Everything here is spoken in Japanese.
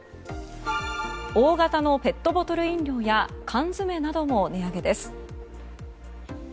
大型のペットボトル飲料や缶詰なども値上げです。